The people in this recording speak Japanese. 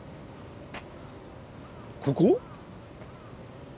ここ？